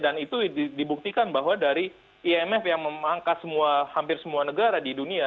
dan itu dibuktikan bahwa dari imf yang memangkat hampir semua negara di dunia